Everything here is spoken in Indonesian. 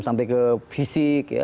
sampai ke fisik ya